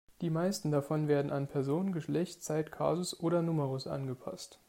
Die meisten davon werden an Person, Geschlecht, Zeit, Kasus oder Numerus angepasst.